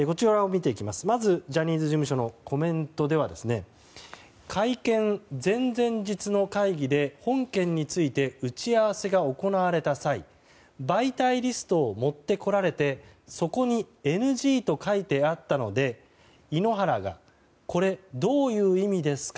まずジャニーズ事務所のコメントでは会見前々日の会議で本件について打ち合わせが行われた際媒体リストを持ってこられてそこにＮＧと書いてあったので井ノ原がこれどういう意味ですか？